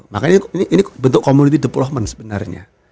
makanya ini bentuk komuniti deployment sebenarnya